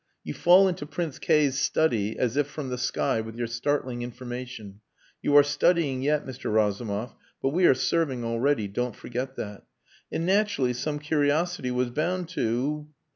You fall into Prince K 's study as if from the sky with your startling information.... You are studying yet, Mr. Razumov, but we are serving already don't forget that.... And naturally some curiosity was bound to...."